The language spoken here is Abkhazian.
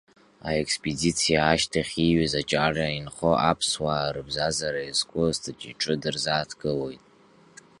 Аекспедициа ашьҭахь ииҩыз Аҷара инхо аԥсуаа рыбзазара иазку астатиаҿы дырзааҭгылоит…